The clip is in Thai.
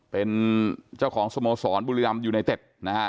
เป็นเจ้าของสมสอนบุรีรัมณ์อเยูไนเตศ